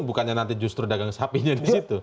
bukannya nanti justru dagang sapinya di situ